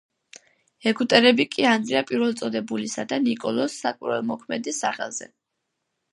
ეგვტერები კი ანდრია პირველწოდებულისა და ნიკოლოზ საკვირველთმოქმედის სახელზე.